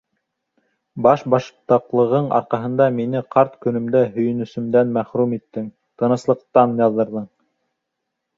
— Башбаштаҡлығың арҡаһында мине ҡарт көнөмдә Һөйөнөсөмдән мәхрүм иттең, тыныслыҡтан яҙҙырҙың.